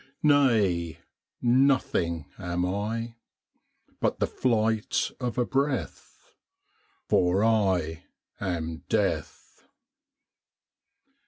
Nay; nothing am I, But the flight of a breath For I am Death!